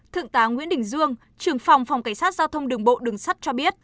thượng tá nguyễn đình dương trưởng phòng phòng cảnh sát giao thông đường bộ đường sắt cho biết